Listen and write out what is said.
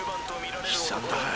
悲惨だな。